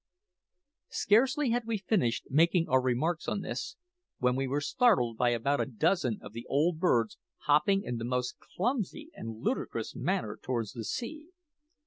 Scarcely had we finished making our remarks on this, when we were startled by about a dozen of the old birds hopping in the most clumsy and ludicrous manner towards the sea.